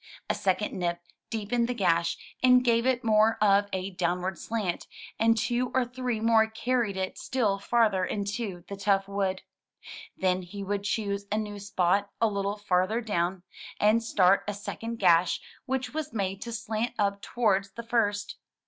A second nip deepened the gash, and gave it more of a downward slant, and two or three more carried it still farther into the tough wood. Then he would choose a new spot a little farther down, and start a second gash, which was made to slant up towards the first.